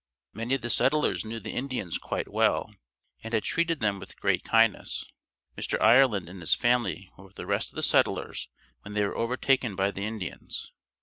Many of the settlers knew the Indians quite well and had treated them with great kindness. Mr. Ireland and his family were with the rest of the settlers when they were overtaken by the Indians.